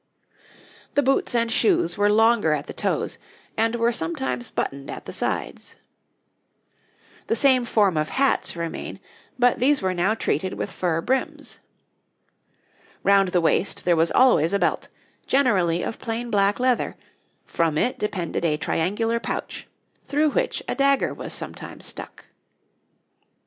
The boots and shoes were longer at the toes, and were sometimes buttoned at the sides. The same form of hats remain, but these were now treated with fur brims. Round the waist there was always a belt, generally of plain black leather; from it depended a triangular pouch, through which a dagger was sometimes stuck.